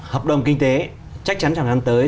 hợp đồng kinh tế chắc chắn trong năm tới